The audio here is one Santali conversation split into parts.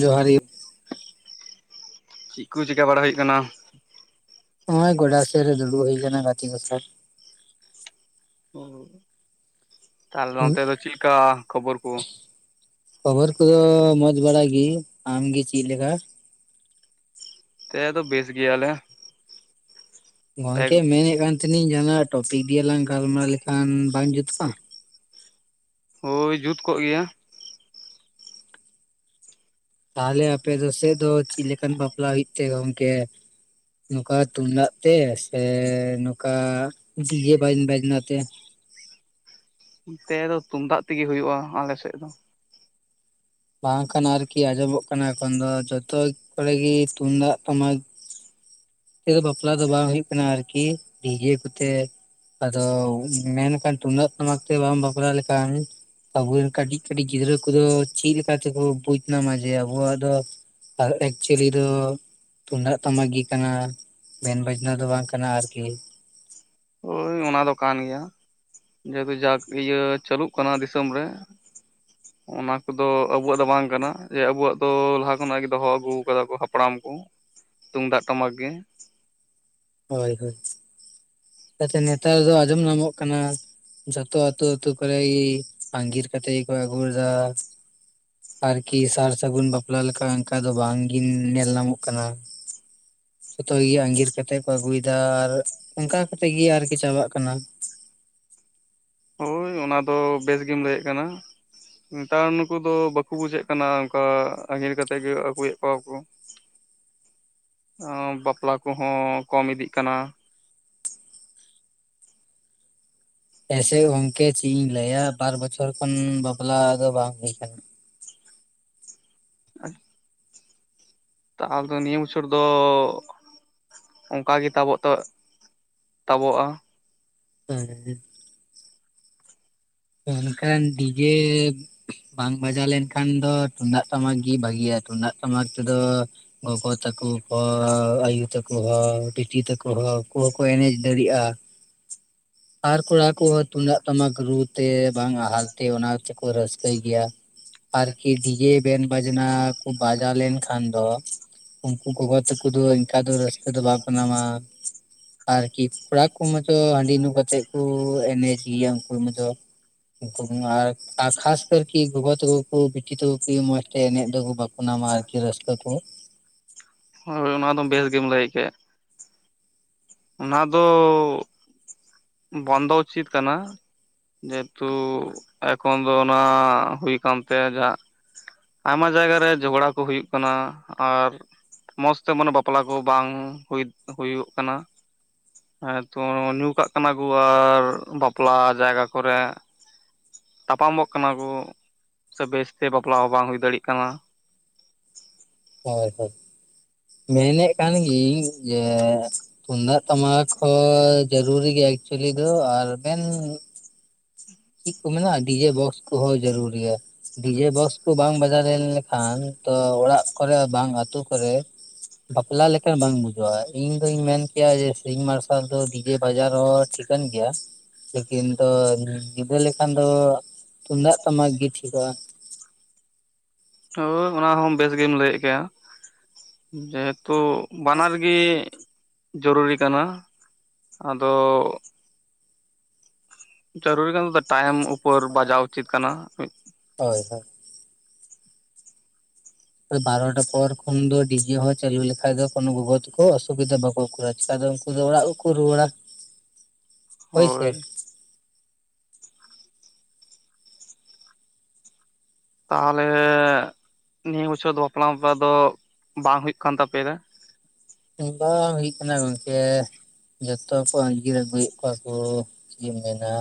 ᱡᱚᱦᱟᱨ ᱤᱭᱩ᱾ ᱪᱮᱫ ᱠᱩ ᱪᱤᱠᱟᱹ ᱵᱟᱲᱟᱭ ᱦᱩᱭᱩᱜ ᱠᱟᱱᱟ? ᱱᱚᱜᱼᱚᱭ ᱜᱚᱰᱟ ᱥᱮᱫ ᱨᱮ ᱫᱩᱲᱩᱵ ᱦᱩᱭ ᱠᱟᱱᱟ ᱜᱟᱛᱤ ᱠᱚ ᱥᱟᱶ᱾ ᱛᱟᱦᱚᱞᱮ ᱚᱱᱛᱮ ᱫᱚ ᱪᱮᱫ ᱞᱮᱠᱟ ᱠᱷᱚᱵᱚᱨ ᱠᱩ? ᱠᱷᱚᱵᱚᱨ ᱠᱚᱫᱚ ᱢᱚᱸᱡᱽ ᱵᱟᱲᱟ ᱜᱤ᱾ ᱟᱢᱜᱮ ᱪᱮᱫ ᱞᱮᱠᱟ? ᱛᱮ ᱫᱚ ᱵᱮᱥ ᱜᱮᱭᱟᱞᱮ᱾ ᱯᱮᱜ ᱜᱚᱝᱠᱮ ᱢᱮᱱᱮᱫ ᱠᱟᱱ ᱛᱟᱦᱮᱸᱤᱧ ᱡᱟᱦᱟᱱᱟᱜ ᱴᱚᱯᱤᱠ ᱫᱤᱭᱮᱞᱟᱟᱝ ᱜᱟᱞᱢᱟᱨᱟᱣ ᱞᱮᱠᱷᱟᱱ ᱵᱟᱝ ᱡᱩᱛᱩᱜᱼᱟ? ᱦᱳᱭ ᱡᱩᱛ ᱠᱚᱜ ᱜᱮᱭᱟ᱾ ᱛᱟᱦᱚᱞᱮ ᱟᱯᱮ ᱫᱚ ᱥᱮᱫ ᱫᱚ ᱪᱤᱫ ᱞᱮᱠᱟᱱ ᱵᱟᱯᱞᱟ ᱦᱩᱭᱩᱜ ᱛᱮ ᱜᱚᱝᱠᱮ? ᱱᱚᱠᱟ ᱛᱩᱢᱫᱟᱜ ᱛᱮ ᱥᱮ ᱱᱚᱠᱟ ᱰᱤᱡᱮ ᱵᱟᱡ ᱵᱟᱡᱱᱟ ᱛᱮ? ᱚᱱᱛᱮ ᱫᱚ ᱛᱩᱢᱫᱟᱜ ᱛᱮᱜᱮ ᱦᱩᱭᱩᱜ-ᱟ ᱟᱞᱮ ᱥᱮᱫ ᱫᱚ᱾ ᱵᱟᱝᱠᱷᱟᱱ ᱟᱨᱠᱤ ᱟᱸᱡᱚᱢᱚᱜ ᱠᱟᱱᱟ ᱮᱠᱷᱚᱱ ᱫᱚ ᱡᱚᱛᱚ ᱠᱚᱨᱮ ᱜᱤ ᱛᱩᱢᱫᱟᱜ, ᱴᱟᱢᱟᱠ, ᱛᱮᱫ ᱫᱚ ᱵᱟᱯᱞᱟ ᱫᱚ ᱵᱟᱝ ᱦᱩᱭᱩᱜ ᱠᱟᱱᱟ ᱟᱨᱠᱤ, ᱰᱤᱡᱮ ᱠᱚᱛᱮ᱾ ᱟᱫᱚ ᱢᱮᱱᱠᱷᱟᱱ ᱛᱩᱢᱫᱟᱹᱜ ᱴᱟᱢᱟᱠ ᱛᱮ ᱵᱟᱢ ᱵᱟᱯᱞᱟ ᱞᱮᱠᱷᱟᱱ, ᱟᱵᱚ ᱨᱮᱱ ᱠᱟᱹᱴᱤᱡ ᱠᱟᱹᱴᱤᱡ ᱜᱤᱫᱽᱨᱟᱹ ᱠᱚᱫᱚ ᱪᱮᱫ ᱞᱮᱠᱟ ᱛᱮᱠᱚ ᱵᱩᱡᱽ ᱱᱟᱢᱟ ᱡᱮ ᱟᱵᱚᱣᱟᱜ ᱫᱚ ᱟᱨ ᱮᱠᱪᱩᱭᱟᱞᱤ ᱫᱚ ᱛᱩᱢᱫᱟᱜ ᱴᱟᱢᱟᱠ ᱜᱮ᱾ ᱠᱟᱱᱟ ᱵᱮᱱ ᱵᱟᱡᱽᱱᱟ ᱫᱚ ᱵᱟᱝ ᱠᱟᱱᱟ ᱟᱨᱠᱤ᱾ ᱦᱳᱭ ᱚᱱᱟ ᱫᱚ ᱠᱟᱱ ᱜᱮᱭᱟ ᱡᱮᱦᱮᱛᱩ ᱡᱟᱠ ᱤᱭᱟᱹ ᱪᱟᱹᱞᱩᱜ ᱠᱟᱱᱟ ᱫᱤᱥᱚᱢ ᱨᱮ ᱾ [inaudible] ᱚᱱᱟ ᱠᱚᱫᱚ ᱟᱵᱩᱣᱟᱜ ᱫᱚ ᱵᱟᱝ ᱠᱟᱱᱟ, ᱡᱮ ᱟᱵᱩᱣᱟᱜ ᱫᱚ ᱞᱟᱦᱟ ᱠᱷᱚᱱᱟᱜ ᱜᱮ ᱫᱚᱦᱚ ᱟᱹᱜᱩ ᱠᱟᱫᱟ ᱠᱚ ᱦᱟᱯᱲᱟᱢ ᱠᱚ᱾ ᱛᱩᱢᱫᱟᱜ ᱴᱟᱢᱟᱠ ᱜᱮ᱾ ᱦᱳᱭ ᱦᱳᱭ, ᱯᱟᱪᱮ ᱱᱮᱛᱟᱨ ᱫᱚ ᱟᱸᱡᱚᱢ ᱧᱟᱢᱚᱜ ᱠᱟᱱᱟ᱾ ᱡᱚᱛᱚ ᱟᱹᱛᱩ ᱟᱹᱛᱩ ᱠᱚᱨᱮ ᱜᱤ ᱟᱸᱜᱤᱨ ᱠᱟᱛᱮ ᱜᱮᱠᱚ ᱟᱜᱩ ᱞᱮ ᱫᱟ᱾ ᱟᱨᱠᱤ ᱥᱟᱨ ᱥᱟᱹᱜᱩᱱ ᱵᱟᱯᱞᱟ ᱞᱮᱠᱟ ᱚᱱᱠᱟ ᱫᱚ ᱵᱟᱝᱜᱤᱱ ᱱᱮᱞ ᱧᱟᱢᱚᱜ ᱠᱟᱱᱟ᱾ ᱡᱚᱛᱚ ᱜᱮ ᱟᱸᱜᱤᱨ ᱠᱟᱛᱮ ᱠᱚ ᱟᱹᱜᱩᱭᱮᱫᱟ ᱟᱨ ᱚᱝᱠᱟ ᱠᱟᱛᱮ ᱜᱤ ᱟᱨᱠᱤ ᱪᱟᱵᱟᱜ ᱠᱟᱱᱟ᱾ ᱦᱳᱭ, ᱚᱱᱟ ᱫᱚ ᱵᱮᱥ ᱜᱮᱢ ᱞᱟᱹᱭᱮ ᱠᱟᱱᱟ᱾ ᱛᱟᱣ ᱱᱩᱠᱩ ᱫᱚ ᱵᱟᱠᱚ ᱵᱩᱡᱮ ᱠᱟᱱᱟ, ᱚᱱᱠᱟ ᱟᱸᱜᱤᱨ ᱠᱟᱛᱮ ᱜᱮ ᱟᱹᱜᱩᱭᱮᱫ ᱠᱚᱣᱟ ᱠᱚ᱾ ᱚ, ᱵᱟᱯᱞᱟ ᱠᱚᱦᱚᱸ ᱠᱚᱢ ᱤᱫᱤᱜ ᱠᱟᱱᱟ᱾ ᱦᱮᱸᱥᱮ ᱜᱚᱝᱠᱮ ᱪᱤ ᱤᱧ ᱞᱟᱹᱭᱟ ᱵᱟᱨ ᱵᱚᱪᱷᱚᱨ ᱠᱷᱚᱱ ᱵᱟᱯᱞᱟ ᱫᱚ ᱵᱟᱝ ᱦᱩᱭ ᱟᱠᱟᱱᱟ ᱾ ᱛᱟᱦᱚᱞᱮ ᱱᱤᱭᱟᱹ ᱵᱚᱪᱷᱚᱨ ᱫᱚ᱾ ᱚᱝᱠᱟ ᱜᱮ ᱛᱟᱵᱚᱜ ᱛᱚ ᱛᱟᱵᱚᱜᱼᱟ, [unintelligible] ᱢᱮᱱᱠᱷᱟᱱ ᱰᱤᱡᱮ ᱵᱟᱝ ᱵᱟᱡᱟᱣ ᱞᱮᱱ ᱠᱷᱟᱱ ᱫᱚ ᱛᱩᱢᱫᱟᱜ ᱴᱟᱢᱟᱠ ᱜᱮ ᱵᱷᱟᱜᱤᱭᱟ ᱛᱩᱢᱫᱟᱹᱜ ᱴᱟᱢᱟᱠ ᱛᱮᱫᱚ ᱜᱚᱜᱚ ᱛᱟᱠᱚ ᱦᱚ, ᱟᱭᱳ ᱛᱟᱠᱚ ᱦᱚ, ᱵᱤᱴᱤ ᱛᱟᱠᱩ ᱦᱚ ᱩᱱᱠᱩ ᱦᱚᱸᱠᱚ ᱮᱱᱮᱡ ᱫᱟᱲᱤᱭᱟᱜᱼᱟ, ᱟᱨ ᱠᱚᱲᱟ ᱠᱚ ᱛᱩᱢᱫᱟᱜ ᱴᱟᱢᱟᱠ ᱨᱩ, ᱛᱮ ᱵᱟᱝᱟ ᱟᱨᱠᱤ ᱚᱱᱟ ᱛᱮᱠᱚ ᱨᱟᱹᱥᱠᱟᱹᱭ ᱜᱮᱭᱟ ᱾ ᱟᱨᱠᱤ ᱰᱤᱡᱮ ᱵᱮᱱ ᱵᱟᱡᱽᱱᱟ ᱠᱚ ᱵᱟᱡᱟᱣ ᱞᱮᱱᱠᱷᱟᱱ ᱫᱚ᱾ ᱩᱱᱠᱩ ᱜᱚᱜᱚ ᱛᱟᱠᱚ ᱫᱚ ᱤᱱᱠᱟ ᱫᱚ ᱨᱟᱹᱥᱠᱟᱹ ᱫᱚ ᱵᱟᱠᱚ ᱧᱟᱢᱟ᱾ ᱟᱹᱨᱠᱤ ᱠᱚᱲᱟ ᱠᱚ ᱢᱟᱛᱚ ᱦᱟᱺᱰᱤ ᱧᱩ ᱠᱟᱛᱮ ᱠᱚ ᱮᱱᱮᱡ ᱜᱮᱭᱟ ᱩᱱᱠᱩ ᱢᱟᱛᱚ ᱾ ᱩᱱᱠᱩ ᱠᱚᱢᱟ ᱟᱨ ᱠᱷᱟᱥ ᱠᱷᱟᱥ ᱛᱮ ᱴᱤ ᱜᱚᱜᱚ ᱛᱟᱠᱚ ᱠᱚ ᱵᱤᱴᱤ ᱛᱟᱠᱚ ᱠᱚ ᱤᱭᱟᱹ ᱢᱚᱡᱽ ᱛᱮ ᱮᱱᱮᱡ ᱫᱚᱠᱚ ᱵᱟᱠ ᱚᱱᱟ ᱢᱟ ᱟᱹᱨᱠᱤ ᱨᱟᱹᱥᱠᱟᱹ ᱠᱚ᱾ ᱦᱳᱭ, ᱚᱱᱟ ᱫᱚ ᱵᱮᱥ ᱜᱮᱢ ᱞᱟᱹᱭ ᱠᱮᱜ ᱾ ᱚᱱᱟ ᱫᱚᱻ ᱵᱚᱱᱫᱚ ᱩᱪᱤᱛ ᱠᱟᱱᱟ ᱾ ᱡᱮᱦᱮᱸᱛᱩ ᱮᱠᱷᱚᱱ ᱫᱚ ᱚᱱᱟ ᱦᱩᱭ ᱠᱟᱱ ᱛᱮ ᱡᱟᱦᱟᱸ᱾ ᱟᱭᱢᱟ ᱡᱟᱭᱜᱟ ᱨᱮ ᱡᱷᱚᱜᱽᱲᱟ ᱠᱩ ᱦᱩᱭᱩᱜ ᱠᱟᱱᱟ ᱟᱨ ᱢᱚᱸᱡᱽ ᱛᱮ ᱢᱟᱱᱮ ᱵᱟᱯᱞᱟ ᱠᱚ ᱵᱟᱝ ᱦᱩ ᱦᱩᱭᱩᱜ ᱠᱟᱱᱟ ᱾ ᱦᱮᱸᱛᱚ ᱧᱩ ᱠᱟᱜ ᱠᱟᱱᱟ ᱠᱚ ᱟᱨ ᱵᱟᱯᱞᱟ ᱡᱟᱭᱜᱟ ᱠᱚᱨᱮ᱾ ᱛᱟᱯᱟᱢᱚᱜ ᱠᱟᱱᱟ ᱠᱚ, ᱥᱮ ᱵᱮᱥ ᱛᱮ ᱵᱟᱯᱚᱞᱟ ᱦᱚᱸ ᱵᱟᱝ ᱦᱩᱭ ᱫᱟᱲᱮᱭᱟᱜ ᱠᱟᱱᱟ ᱾ ᱦᱳᱭ ᱦᱳᱭ, ᱧᱮᱞᱮᱫ ᱠᱟᱱ ᱜᱤᱭᱟᱹᱧ ᱡᱮ ᱛᱩᱢᱫᱟᱜ ᱴᱟᱢᱟᱠ ᱦᱚᱸ ᱡᱟᱹᱨᱩᱨᱤ ᱜᱮᱭᱟ ᱮᱠᱪᱩᱭᱮᱞᱤ ᱫᱚ ᱟᱨ ᱵᱮᱱ ᱪᱮᱫ ᱠᱚ ᱢᱮᱱᱟᱜ-ᱟ ᱰᱤᱡᱮ ᱵᱚᱠᱥ ᱠᱚᱦᱚᱸ ᱡᱟᱹᱨᱩᱲ ᱜᱮᱭᱟ ᱾ ᱰᱤᱡᱮ ᱵᱚᱠᱥ ᱠᱚ ᱵᱟᱝ ᱵᱟᱡᱟᱣ ᱞᱮᱱᱻ ᱠᱷᱟᱱ ᱛᱚ ᱚᱲᱟᱜ ᱠᱚᱨᱮ ᱵᱟᱝ ᱟᱹᱛᱩ ᱠᱚᱨᱮ᱾ ᱵᱟᱯᱚᱞᱟ ᱞᱮᱠᱟ ᱵᱟᱝ ᱵᱩᱡᱷᱟᱹᱜ-ᱟ, ᱤᱧ ᱫᱩᱧ ᱢᱮᱱ ᱠᱮᱭᱟ ᱡᱮ ᱥᱤᱧ-ᱢᱟᱨᱥᱟᱞ ᱫᱚ ᱰᱤᱡᱮ ᱵᱟᱡᱟᱣ ᱨᱮ ᱦᱚᱸ ᱴᱷᱤᱠ ᱠᱟᱱ ᱜᱮᱭᱟ, ᱞᱮᱠᱤᱱ ᱫᱚ ᱧᱤᱫᱟᱹ ᱞᱮᱠᱷᱟᱱ ᱫᱚ ᱛᱩᱢᱫᱟᱜ ᱴᱟᱢᱟᱠ ᱜᱮ ᱴᱷᱤᱠᱚᱜ ᱟ ᱾ ᱦᱳᱭ, ᱚᱱᱟ ᱦᱚᱸ ᱵᱮᱥ ᱜᱮᱢ ᱞᱟᱹᱭᱮᱫ ᱜᱮᱭᱟ ᱾ ᱡᱮ ᱦᱮᱸᱛᱩ ᱵᱟᱱᱟᱨ ᱜᱮ ᱡᱚᱨᱩᱨᱤ ᱠᱟᱱᱟ, ᱟᱫᱚ ᱡᱚᱨᱩᱨᱤ ᱠᱟᱱᱟ ᱛᱚ ᱴᱟᱭᱮᱢ᱾ [inaudible] ᱦᱳᱭ ᱦᱳᱭ ᱾ ᱵᱟᱨᱚᱴᱟ ᱯᱚᱨ ᱠᱷᱚᱱ ᱫᱚ ᱰᱤᱡᱮ ᱦᱚᱸ ᱪᱟᱹᱞᱩ ᱞᱮᱠᱷᱟᱡ ᱫᱚ ᱠᱚᱱᱚ ᱜᱚᱜᱚ ᱛᱟᱠᱚ ᱚᱥᱩᱵᱤᱫᱟ ᱵᱟᱠᱚ ᱠᱩᱨᱟᱣᱟ, ᱪᱮᱠᱟ ᱫᱚ ᱩᱱᱠᱩ ᱫᱚ ᱚᱲᱟᱜ ᱠᱚ ᱠᱚ ᱨᱩᱣᱟᱹᱲᱟ᱾ ᱦᱳᱭ᱾ ᱛᱟᱦᱚᱸᱞᱮ ᱱᱤᱭᱟᱹ ᱵᱚᱪᱷᱚᱨ ᱫᱚ ᱵᱟᱯᱞᱟ ᱢᱟᱯᱞᱟ ᱫᱚ ᱵᱟᱝ ᱦᱩᱭᱩᱜ ᱠᱟᱱ ᱛᱟᱯᱮ ᱫᱟ᱾ ᱵᱟᱝ ᱦᱩᱭᱩᱜ ᱠᱟᱱᱟ ᱜᱚᱝᱠᱮ᱾ ᱡᱷᱚᱛᱚ ᱠᱚ ᱟᱸᱜᱤᱨ ᱟᱹᱜᱩᱭᱮᱫ ᱠᱚᱣᱟ ᱠᱚ ᱪᱮᱫ ᱮᱢ ᱢᱮᱱᱟ᱾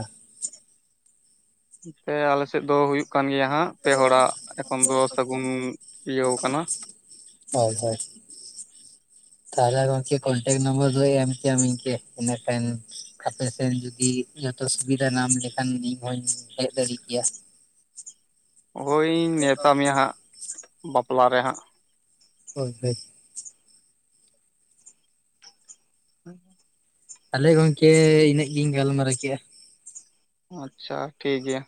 ᱯᱮ ᱟᱞᱮᱥᱮᱫ ᱫᱚ ᱦᱳᱭ ᱠᱟᱱ ᱜᱮᱭᱟ ᱦᱟᱸᱜ ᱯᱮ ᱦᱚᱲᱟᱜ ᱮᱠᱷᱚᱱ ᱫᱚ ᱥᱟᱹᱜᱩᱱ ᱤᱭᱟᱹ ᱠᱟᱱᱟ᱾ ᱦᱳᱭ ᱦᱳᱭ᱾ ᱛᱟᱦᱚᱸᱞᱮ ᱜᱚᱝᱠᱮ ᱠᱚᱱᱴᱮᱠ ᱱᱚᱢᱵᱟᱨ ᱫᱚ ᱮᱢ ᱠᱮᱭᱟᱢ ᱤᱧᱠᱮ ᱤᱱᱟᱹ ᱠᱷᱟᱱ ᱟᱯᱮ ᱥᱮᱱ ᱡᱩᱫᱤ ᱡᱷᱚᱛᱚ ᱥᱩᱵᱤᱫᱷᱟ ᱧᱟᱢ ᱞᱮᱠᱷᱟᱱ ᱤᱧ ᱦᱚᱧ ᱦᱮᱸᱡ ᱫᱟᱲᱮ ᱠᱮᱭᱟ᱾ ᱦᱳᱭᱤᱧ ᱱᱮᱶᱛᱟ ᱢᱮᱭᱟ ᱦᱟᱸᱜ ᱵᱟᱯᱞᱟ ᱨᱮ ᱦᱟᱸᱜ᱾ ᱦᱳᱭ ᱦᱳᱭ, [unintelligible] ᱛᱟᱦᱚᱸᱞᱮ ᱜᱚᱝᱠᱮ ᱤᱱᱟᱹᱜ ᱜᱤᱧ ᱜᱟᱞᱢᱟᱨᱟᱣ ᱠᱮᱫ-ᱟ ᱟᱪᱪᱷᱟ ᱴᱷᱤᱠ ᱜᱮᱭᱟ᱾